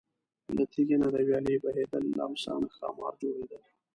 له تیږې نه د ویالې بهیدل، له امسا نه ښامار جوړېدل.